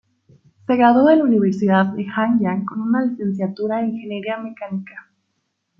Se graduó de la Universidad de Hanyang con una licenciatura en ingeniería mecánica.